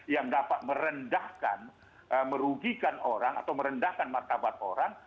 yang dapat merendahkan merugikan orang atau merendahkan martabat orang